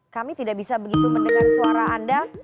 kami tidak bisa begitu mendengar suara anda